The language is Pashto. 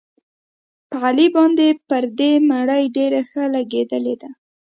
په علي باندې پردۍ مړۍ ډېره ښه لګېدلې ده.